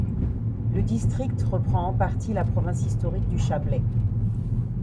Le district reprend en partie la province historique du Chablais.